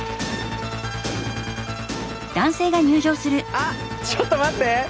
あっちょっと待って！